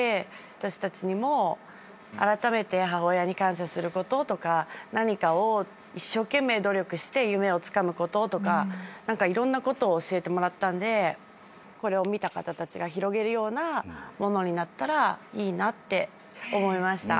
私たちにもあらためて母親に感謝することとか何かを一生懸命努力して夢をつかむこととかいろんなことを教えてもらったんでこれを見た方たちが広げるようなものになったらいいなって思いました。